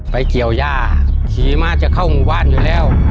เกี่ยวย่าขี่มาจะเข้าหมู่บ้านอยู่แล้ว